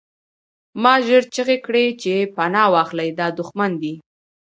ما ژر چیغې کړې چې پناه واخلئ دا دښمن دی